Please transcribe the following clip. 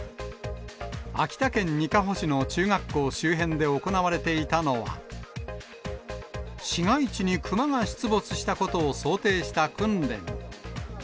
秋田県にかほ市の中学校周辺で行われていたのは、市街地にクマが出没したことを想定した訓練。